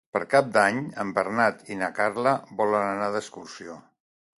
Per Cap d'Any en Bernat i na Carla volen anar d'excursió.